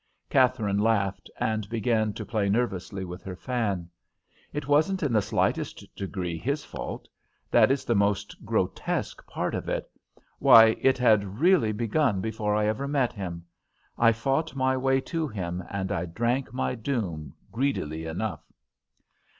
Katherine laughed and began to play nervously with her fan. "It wasn't in the slightest degree his fault; that is the most grotesque part of it. Why, it had really begun before I ever met him. I fought my way to him, and I drank my doom greedily enough."